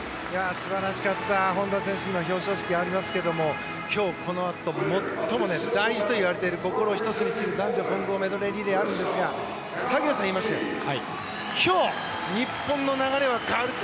素晴らしかった本多選手の表彰式もありますけど今日このあと最も大事といわれている心ひとつにする男女混合リレーがあるんですが萩野さんは言いました今日、日本の流れは変わるって。